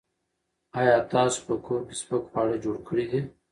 ایا تاسو په کور کې سپک خواړه جوړ کړي دي؟